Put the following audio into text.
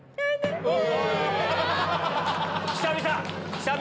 久々！